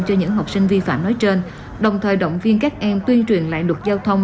cho những học sinh vi phạm nói trên đồng thời động viên các em tuyên truyền lại đột giao thông